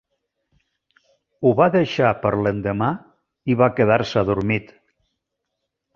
Ho va deixar per l'endemà i va quedar-se dormit.